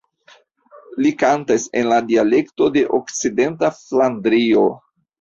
Li kantas en la dialekto de Okcidenta Flandrio.